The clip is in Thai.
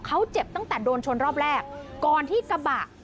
เขาเจ็บตั้งแต่โดนชนรอบแรกก่อนที่กระบะ